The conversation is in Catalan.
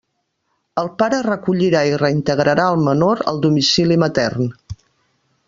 El pare recollirà i reintegrarà al menor al domicili matern.